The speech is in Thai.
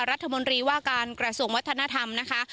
รัฐมนตรีว่าการกระทรวงวัฒนธรรมนะคะ